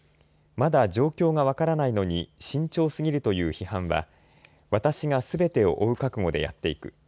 まだ状況が分からないのに慎重すぎるという批判は私がすべてを負う覚悟でやっていく。